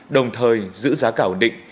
đồng thời giữ giá cảo định